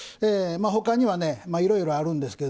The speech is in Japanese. ほかには、いろいろあるんですが